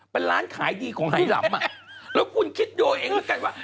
เป็นร้านขายดีของไอ้หลับแล้วคุณคิดดูเองแล้วกันว่า